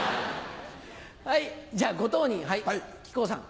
じゃあご当人木久扇さん。